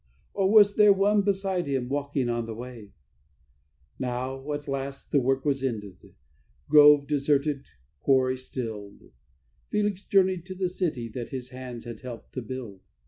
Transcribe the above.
or was there One beside him walking on the wave? Now at last the work was ended, grove deserted, quarry stilled; Felix journeyed to the city that his hands had helped to build.